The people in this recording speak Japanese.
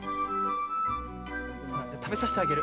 たべさせてあげる。